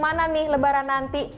bagaimana nih lebaran nanti